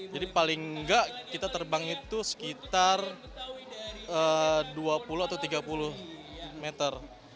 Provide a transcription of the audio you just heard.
jadi paling nggak kita terbang itu sekitar dua puluh atau tiga puluh meter